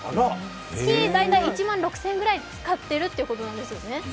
月大体１万６０００円ぐらい使っているということなんですよね。